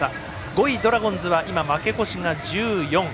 ５位、ドラゴンズは負け越しが１４。